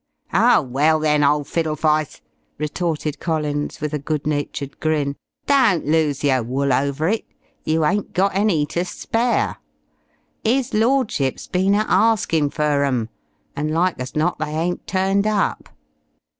"Oh well, then, old Fiddlefyce," retorted Collins, with a good natured grin, "don't lose yer wool over it; you ain't got any ter spare. 'Is Lordship's been a arskin' fer 'em, and like as not they ain't turned up.